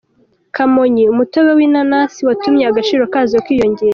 Kamonyi Umutobe w’inanasi watumye agaciro kazo kiyongera